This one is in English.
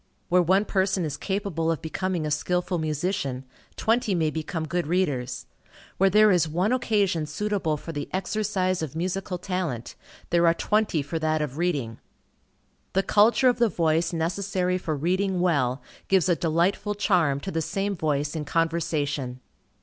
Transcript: Where one person is capable of becoming a skilful musician, twenty may become good readers. Where there is one occasion suitable for the exercise of musical talent, there are twenty for that of reading. The culture of the voice necessary for reading well, gives a delightful charm to the same voice in conversation.